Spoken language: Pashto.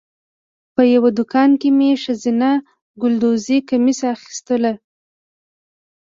په یوه دوکان کې مې ښځینه ګلدوزي کمیس اخیستلو.